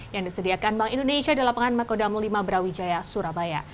yang disediakan bank indonesia di lapangan makodam lima brawijaya surabaya